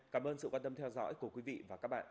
cảm ơn sự quan tâm theo dõi của quý vị và các bạn